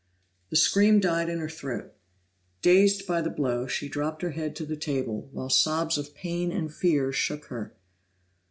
The scream died in her throat; dazed by the blow, she dropped her head to the table, while sobs of pain and fear shook her.